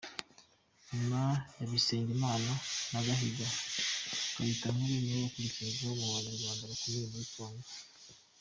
Nyuma ya Bisengimana, na Gahiga, Kayitankore niwe wakurikiragaho mu banyarwanda bakomeye muri Congo.